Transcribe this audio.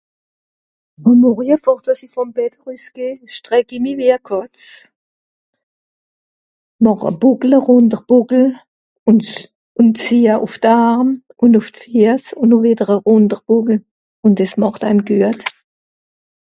àm morje for dàss'i vom bett rüss geht strecke mi (wie à kàtz) màch à bockele rùnter bockel ùn ùn ziehe ùff d'arm ùn ùuff d'fiess ùn no wìtter à rùnter bockel ùn des màch dànn guet